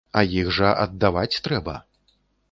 А іх жа аддаваць трэба!